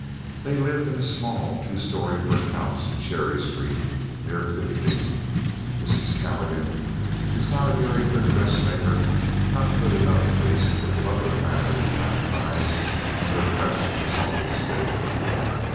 They lived in a small two story brick house in Cherry Street, near Fifteenth. Mrs. Calligan was not a very good dressmaker, not good enough, at least, for the Butler family to patronize in their present exalted state.